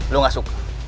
lo gak suka